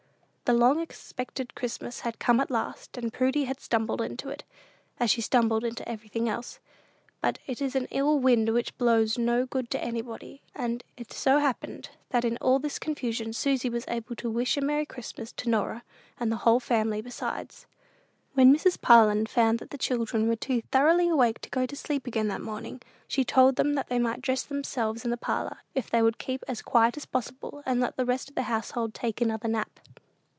The long expected Christmas had come at last, and Prudy had stumbled into it, as she stumbled into everything else. But it is an ill wind which blows no good to anybody; and it so happened that in all this confusion Susy was able to "wish a Merry Christmas" to Norah, and to the whole family besides. When Mrs. Parlin found that the children were too thoroughly awake to go to sleep again that morning, she told them they might dress themselves in the parlor if they would keep as quiet as possible, and let the rest of the household take another nap.